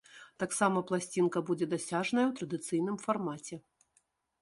Таксама пласцінка будзе дасяжная ў традыцыйным фармаце.